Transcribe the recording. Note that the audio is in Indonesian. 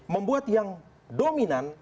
membuat yang dominan